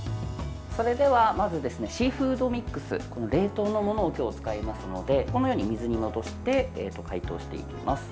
それではまずシーフードミックス冷凍のものを今日使いますのでこのように水に戻して解凍していきます。